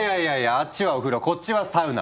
あっちはお風呂こっちはサウナ。